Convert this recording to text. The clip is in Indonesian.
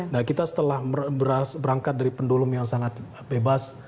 nah kita setelah berangkat dari pendolum yang sangat bebas